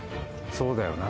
「そうだよな」。